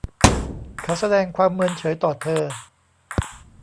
เขาแสดงความเมินเฉยต่อเธอ